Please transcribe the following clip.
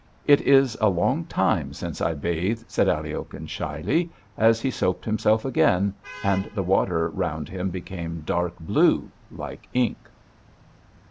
"It is a long time since I bathed," said Aliokhin shyly, as he soaped himself again, and the water round him became dark blue, like ink.